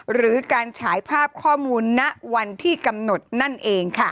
หรือการฉายภาพข้อมูลณวันที่กำหนดนั่นเองค่ะ